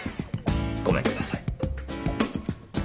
ごめんください。